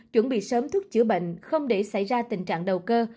chuẩn bị sớm thuốc chữa bệnh không để xảy ra tình trạng đầu cơ